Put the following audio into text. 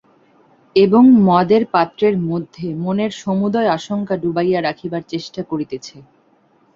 এবং মদের পাত্রের মধ্যে মনের সমুদয় আশঙ্কা ডুবাইয়া রাখিবার চেষ্টা করিতেছে।